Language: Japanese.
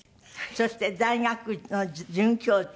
そして大学の准教授。